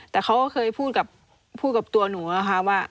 แต่เขาก็เคยพูดกับตัวหนูนะคะว่า